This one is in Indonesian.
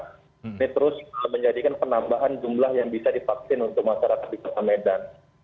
ini terus menjadikan penambahan jumlah yang bisa divaksin untuk masyarakat di kota medan